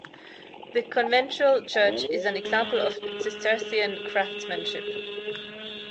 The conventual church is an example of Cistercian craftsmanship.